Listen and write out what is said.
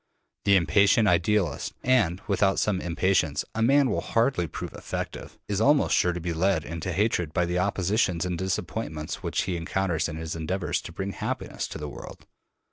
The impatient idealist and without some impatience a man will hardly prove effective is almost sure to be led into hatred by the oppositions and disappointments which he encounters in his endeavors to bring happiness to the world.